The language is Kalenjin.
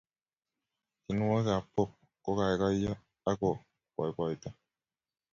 tienwokik ap pop kokaikaiyo ako poipoito